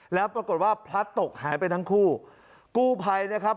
แล้วปรากฏว่าพลัดตกหายไปทั้งคู่กู้ภัยนะครับ